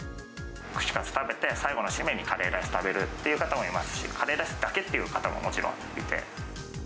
串カツ食べて、最後の締めにカレーライス食べるという方もいますし、カレーライスだけっていう方ももちろんいて。